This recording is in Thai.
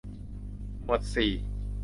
หมวดสี่